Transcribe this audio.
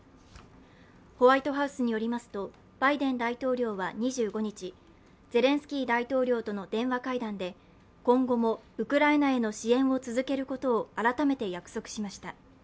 ホワイトハウスによりますと、バイデン大統領は２５日、ゼレンスキー大統領との電話会談で、今後もウクライナへの支援を続けることを改めて約束しました。